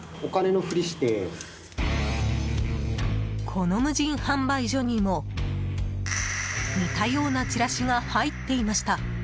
この無人販売所にも似たようなチラシが入っていました。